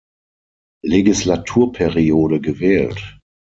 Legislaturperiode gewählt.